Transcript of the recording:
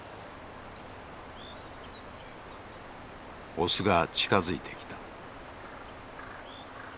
オスが近づいてきた。